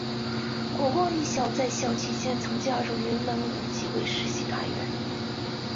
国光艺校在学期间曾加入云门舞集为实习团员。